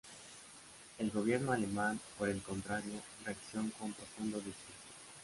El Gobierno alemán, por el contrario, reacción con profundo disgusto.